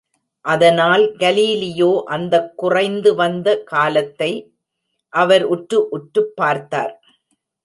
அதனால், கலீலியோ அந்தக் குறைந்து வந்த காலத்தை அவர் உற்று உற்றுப் பர்த்தார்!